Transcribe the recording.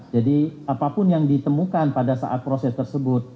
jadi apapun yang ditemukan pada saat proses tersebut